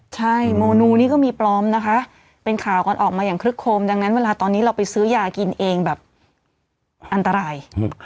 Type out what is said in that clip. ใช่โมนูนี่ก็มีปลอมนะคะเป็นข่าวกันออกมาอย่างคลึกโคมดังนั้นเวลาตอนนี้เราไปซื้อยากินเองแบบอันตราย